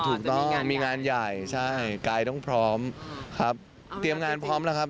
ถูกต้องมีงานใหญ่ใช่กายต้องพร้อมครับเตรียมงานพร้อมแล้วครับ